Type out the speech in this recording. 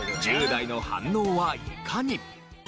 １０代の反応はいかに？